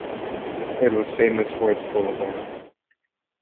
It was famous for its boulevards.